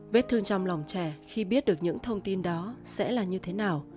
vết thương trong lòng trẻ khi biết được những thông tin đó sẽ là như thế nào